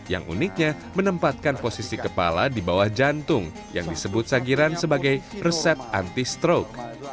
yang uniknya menempatkan posisi kepala di bawah jantung yang disebut sagiran sebagai resep anti stroke